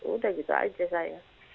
udah gitu aja saya